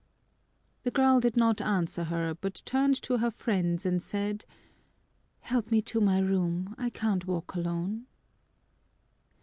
The girl did not answer her, but turned to her friends and said, "Help me to my room, I can't walk alone."